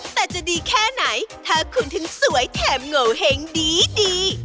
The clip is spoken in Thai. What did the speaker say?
แต่จะดีแค่ไหนถ้าคุณถึงสวยแถมโงเห้งดี